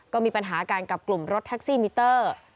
ก็มีปัญหากันกับกลุ่มรถแท็กซี่มิเตอร์